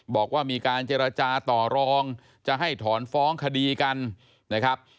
บอกว่ามีการเจรจาต่อรองจะให้ถอนฟ้องคดีกันนะครับ